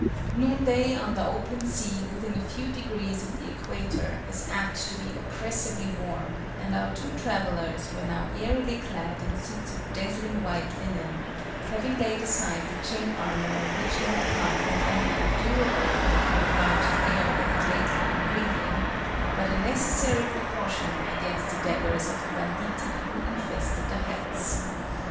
Noonday on the open sea within a few degrees of the Equator is apt to be oppressively warm; and our two travellers were now airily clad in suits of dazzling white linen, having laid aside the chain armour which they had found not only endurable in the cold mountain air they had lately been breathing, but a necessary precaution against the daggers of the banditti who infested the heights.